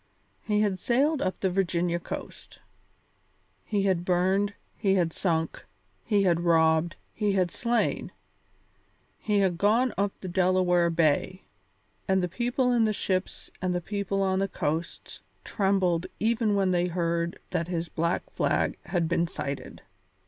He had sailed up the Virginia coast; he had burned, he had sunk, he had robbed, he had slain; he had gone up the Delaware Bay, and the people in ships and the people on the coasts trembled even when they heard that his black flag had been sighted.